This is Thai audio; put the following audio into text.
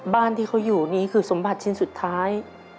บ้านที่เขาอยู่นี้คือสมบัติชิ้นสุดท้าย